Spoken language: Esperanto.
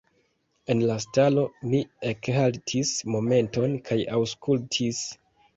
En la stalo mi ekhaltis momenton kaj aŭskultis.